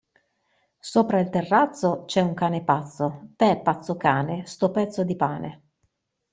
Sopra al terrazzo, c'è un cane pazzo, tè pazzo cane, sto pezzo di pane.